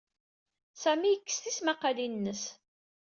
Sami yekkes tismaqalin-nnes.